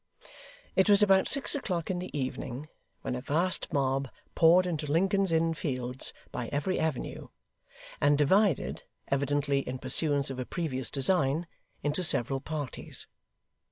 It was about six o'clock in the evening, when a vast mob poured into Lincoln's Inn Fields by every avenue, and divided evidently in pursuance of a previous design into several parties.